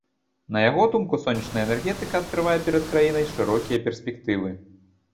На яго думку, сонечная энергетыка адкрывае перад краінай шырокія перспектывы.